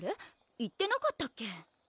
言ってなかったっけ？